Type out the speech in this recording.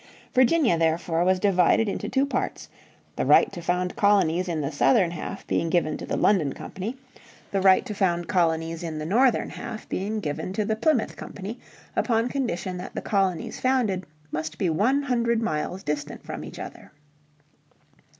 Virginia therefore was divided into two parts; the right to found colonies in the southern half being given to the London Company, the right to found colonies in the northern half being given to the Plymouth Company upon condition that the colonies founded must be one hundred miles distant from each other.